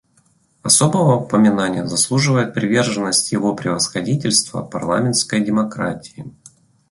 Особого упоминания заслуживает приверженность Его Превосходительства парламентской демократии.